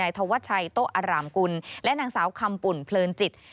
ธวัชชัยโต๊ะอารามกุลและนางสาวคำปุ่นเพลินจิต